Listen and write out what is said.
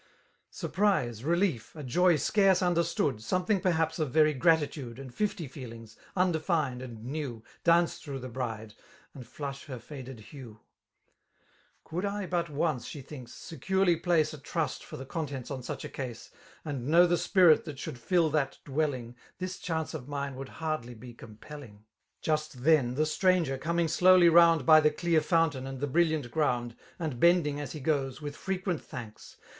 Surprise, relief, a joy scarce understood. Something perhaps of very gratitude. And fifty feelings, undefin'd and new. Dance through thfe bride, and flush her faded hue. *^ Could I but once," she thinks^ *^ securely ]daoe ' A trust for the contents .on such a case. And know the spirit ihat should M that dwelling. This chance of mine would hardly be compelling.*' Just then, the stranger, cotioing slowly round By the dear fountain and the brilliant ground. And bending, as he goes, with frequent thanks.